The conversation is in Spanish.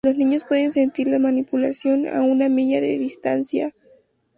Los niños pueden sentir la manipulación a una milla de distancia".